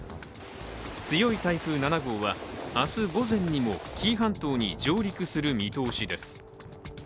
強い台風７号は明日午前にも紀伊半島に上陸する見通しです。